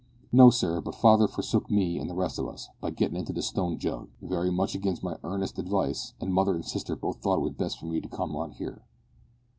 "No, sir, but father forsook me and the rest of us, by gettin' into the Stone Jug wery much agin' my earnest advice, an' mother an' sister both thought it was best for me to come out here."